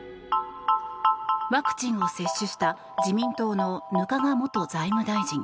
ワクチンを接種した自民党の額賀元財務大臣。